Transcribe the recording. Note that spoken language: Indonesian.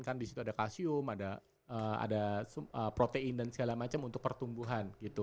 kan disitu ada kalsium ada protein dan segala macem untuk pertumbuhan gitu